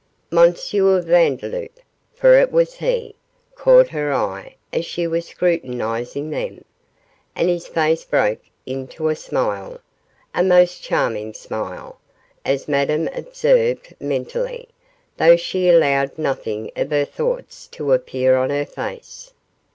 Monsieur Vandeloup for it was he caught her eye as she was scrutinising them, and his face broke into a smile a most charming smile, as Madame observed mentally, though she allowed nothing of her thoughts to appear on her face.